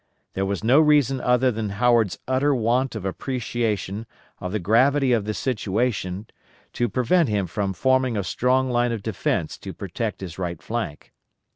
There was no reason other than Howard's utter want of appreciation of the gravity of the situation to prevent him from forming a strong line of defence to protect his right flank.